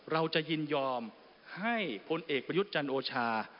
เราจะยินยอมให้พลเอกประยุทธ์จันโอชา